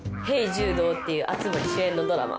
柔道』っていう熱護主演のドラマ。